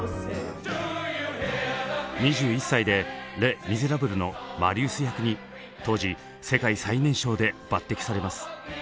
２１歳で「レ・ミゼラブル」のマリウス役に当時世界最年少で抜てきされます。